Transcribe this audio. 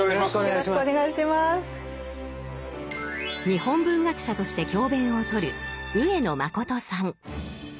日本文学者として教鞭を執る上野誠さん。